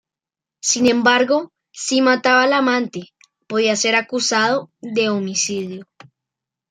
Sin embargo, si mataba al amante, podía ser acusado de homicidio.